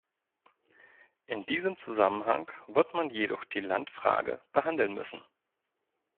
In diesem Zusammenhang wird man jedoch die Landfrage behandeln müssen.